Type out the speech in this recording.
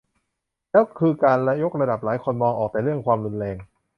แล้วคือการยกระดับหลายคนมองออกแต่เรื่องความรุนแรง